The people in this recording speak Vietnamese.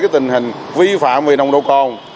tình hình vi phạm vì nồng độ còn